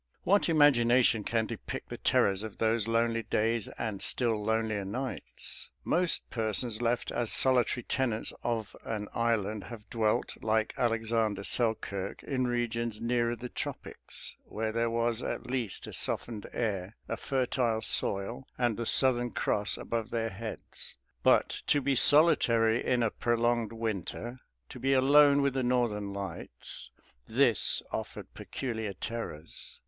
What imagination can depict the terrors of those lonely days and still lonelier nights? Most persons left as solitary tenants of an island have dwelt, like Alexander Selkirk, in regions nearer the tropics, where there was at least a softened air, a fertile soil, and the Southern Cross above their heads; but to be solitary in a prolonged winter, to be alone with the Northern Lights, this offered peculiar terrors.